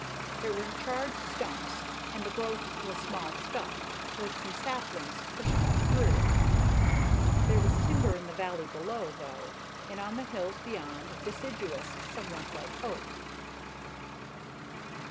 There were charred stumps, and the growth was small stuff, with some saplings pushing up through. There was timber in the valley below, though, and on the hills beyond, deciduous, somewhat like oak.